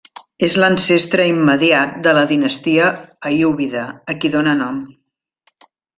És l'ancestre immediat de la dinastia aiúbida, a qui dóna nom.